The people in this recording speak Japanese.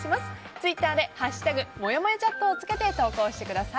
ツイッターで「＃もやもやチャット」をつけて投稿してください。